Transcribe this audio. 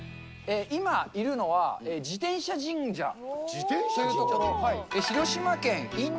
今いるのは、自転車神社。